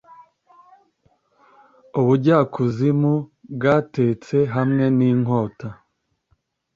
Ubujyakuzimu bwatetse hamwe ninkota